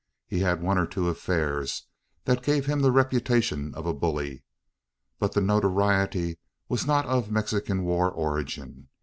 He had one or two affairs, that gave him the reputation of a bully. But that notoriety was not of Mexican war origin.